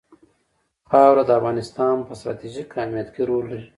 خاوره د افغانستان په ستراتیژیک اهمیت کې رول لري.